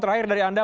terakhir dari anda